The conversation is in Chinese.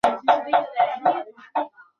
适用于创建进程间通信的共享内存。